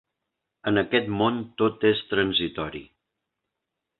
En aquest món tot és transitori.